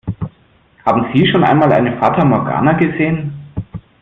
Haben Sie schon einmal eine Fata Morgana gesehen?